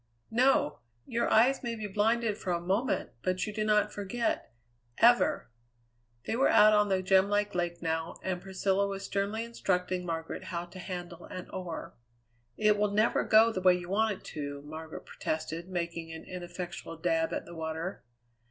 "No. Your eyes may be blinded for a moment, but you do not forget ever!" They were out on the gemlike lake now, and Priscilla was sternly instructing Margaret how to handle an oar. "It will never go the way you want it to," Margaret protested, making an ineffectual dab at the water.